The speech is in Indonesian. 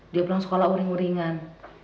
dia pulang sekolah uring uringan